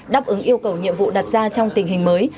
đáp ứng yêu cầu nhiệm vụ đặt ra trong tình hình mới